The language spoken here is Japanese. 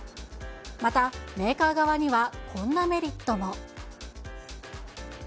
また、メーカー側には、こんなメリットも。